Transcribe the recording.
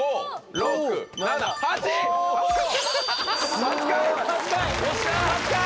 ８回！